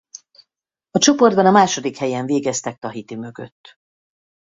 A csoportban a második helyen végeztek Tahiti mögött.